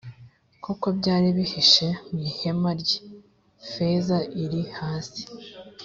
koko byari bihishe mu ihema rye, feza iri hasi.